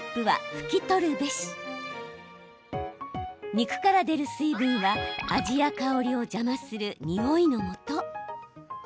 肉から出る水分は味や香りを邪魔するにおいのもと。